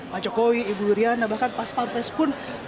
pak jokowi ibu iriana bahkan pak stamfes pun